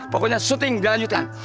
pokoknya syuting dia lanjutkan